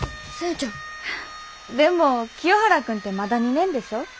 でも清原君てまだ２年でしょ？